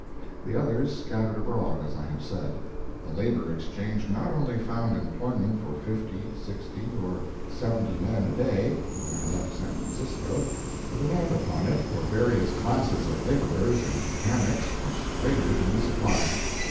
The others scattered abroad, as I have said. The Labor Exchange not only found employment for fifty, sixty, or seventy men a day, when I left San Francisco, the demand upon it for various classes of laborers and mechanics was greater than the supply.